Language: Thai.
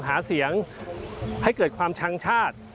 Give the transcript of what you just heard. หาเสียงให้เกิดความชังชาติ